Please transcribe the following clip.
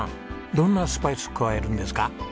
どんなスパイス加えるんですか？